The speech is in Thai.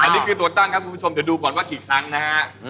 อันนี้คือตัวตั้งครับคุณผู้ชมเดี๋ยวดูก่อนว่ากี่ครั้งนะฮะ